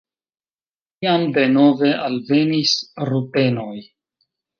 Tiam denove alvenis rutenoj.